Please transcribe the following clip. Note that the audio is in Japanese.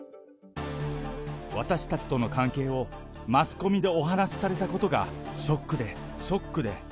私たちとの関係をマスコミでお話しされたことがショックでショックで。